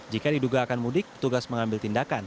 jika diduga akan mudik petugas mengambil tindakan